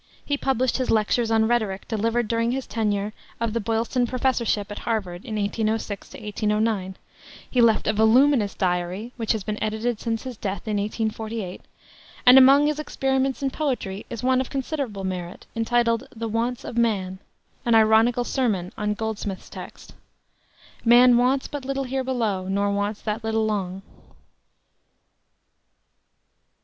He published his lectures on rhetoric delivered during his tenure of the Boylston Professorship at Harvard in 1806 09; he left a voluminous diary, which has been edited since his death in 1848; and among his experiments in poetry is one of considerable merit, entitled the Wants of Man, an ironical sermon on Goldsmith's text: "Man wants but little here below Nor wants that little long."